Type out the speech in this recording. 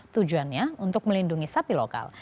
tujuannya untuk melindungi sapi lokal